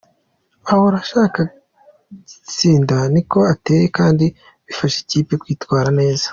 Ahora ashaka gitsinda niko ateye kandi bifasha ikipe kwitwara neza.